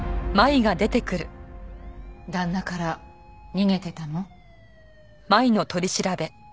旦那から逃げてたの？